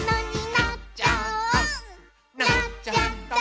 「なっちゃった！」